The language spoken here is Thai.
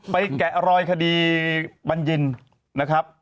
ไปแกะรอยคดีบรรยีนนะครับ